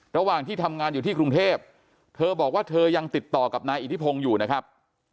ระหว่างที่ทำงานอยู่ที่กรุงเทพเธอบอกว่าเธอยังติดต่อกับนายอิทธิพงศ์อยู่นะครับ